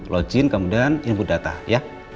login kemudian input data ya